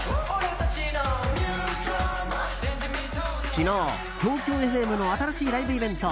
昨日、ＴＯＫＹＯＦＭの新しいライブイベント